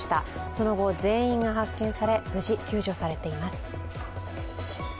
その後、全員が発見され無事救助されています。